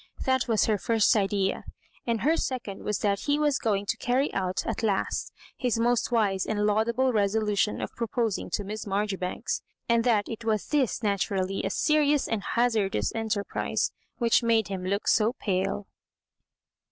That was her first idea, and her second was that he was going to carry out at last his most wise and laudable resolution of proposing to Miss Maijoribanks, and that it was this, naturally a serious and hazardous en terprise, which made him look so pale.